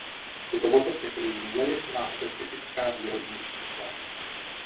Tyto motocykly měly svá specifická výrobní čísla.